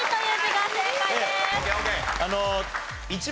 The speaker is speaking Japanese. はい！